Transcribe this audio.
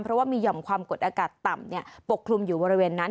เพราะว่ามีห่อมความกดอากาศต่ำปกคลุมอยู่บริเวณนั้น